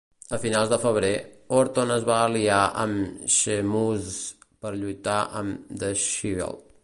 A finals de febrer, Orton es va aliar amb Sheamus per lluitar amb The Shield.